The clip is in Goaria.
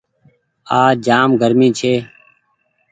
آج جآم گرمي ڇي۔